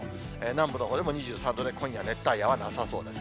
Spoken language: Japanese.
南部のほうでも２３度で、今夜、熱帯夜はなさそうです。